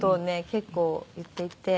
結構言っていて。